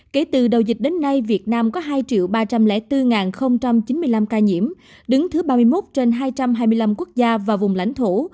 kể từ đầu dịch đến nay việt nam có hai ba trăm linh bốn chín mươi năm ca nhiễm đứng thứ ba mươi một trên hai trăm hai mươi năm quốc gia và vùng lãnh thổ